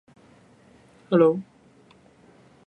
This results in Jags being sentenced to prison.